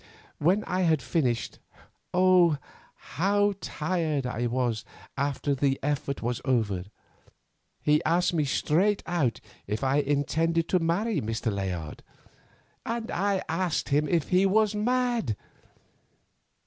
When I had finished—oh! how tired I was after the effort was over—he asked me straight out if I intended to marry Mr. Layard, and I asked him if he was mad!